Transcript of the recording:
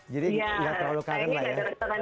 jadi nggak terlalu karen lah ya